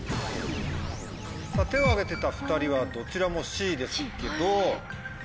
手を挙げてた２人はどちらもＣですけど。